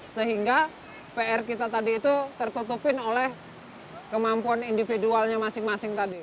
sehingga pr kita tadi itu tertutupin oleh kemampuan individualnya masing masing tadi